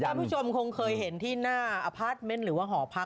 คุณผู้ชมคงเคยเห็นที่หน้าอพาร์ทเมนต์หรือว่าหอพัก